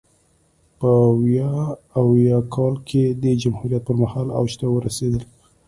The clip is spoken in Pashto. په ویا اویا کال کې د جمهوریت پرمهال اوج ته ورسېدل.